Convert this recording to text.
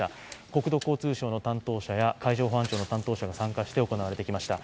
国土交通省の担当者は海上保安庁の担当者が参加して行われてきました。